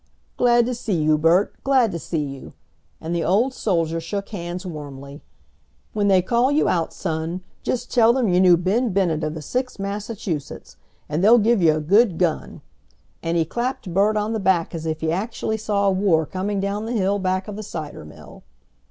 "Glad to see you, Bert, glad to see you!" and the old soldier shook hands warmly. "When they call you out, son, just tell them you knew Ben Bennett of the Sixth Massachusetts. And they'll give you a good gun," and he clapped Bert on the back as if he actually saw a war coming down the hill back of the cider mill.